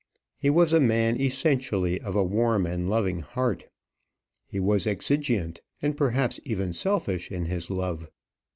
He was a man essentially of a warm and loving heart. He was exigeant, and perhaps even selfish in his love.